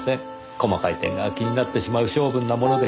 細かい点が気になってしまう性分なもので。